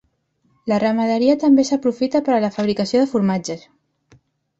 La ramaderia també s'aprofita per a la fabricació de formatges.